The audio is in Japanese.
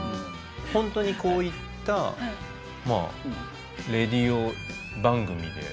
ホントにこういったレディオ番組で。